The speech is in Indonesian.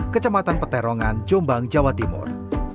kecamatan peterongan jombang jawa timur